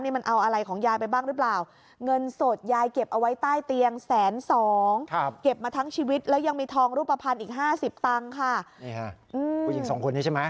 นี่ค่ะผู้หญิง๒คนนี้ใช่ไหม